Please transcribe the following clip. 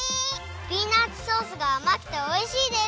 ピーナツソースがあまくておいしいです！